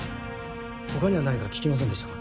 他には何か聞きませんでしたか？